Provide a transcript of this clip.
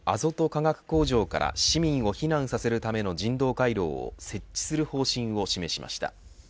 化学工場から市民を避難させるための人道回廊を設置する方針を示しました。